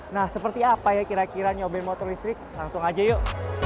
nah seperti apa ya kira kira nyobeng motor listrik langsung aja yuk